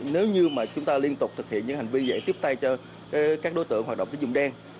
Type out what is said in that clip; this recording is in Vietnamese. nếu như mà chúng ta liên tục thực hiện những hành vi dễ tiếp tay cho các đối tượng hoạt động tính dụng đen